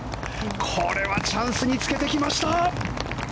これはチャンスにつけてきました！